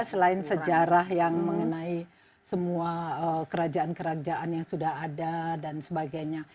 selain sejarah yang mengenai semua kerajaan kerajaan yang sudah ada dan sebagainya